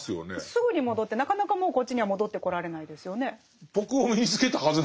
すぐに戻ってなかなかもうこっちには戻ってこられないですよね。